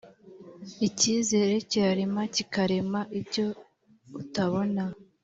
icyizere kirarema, kikarema ibyo utabona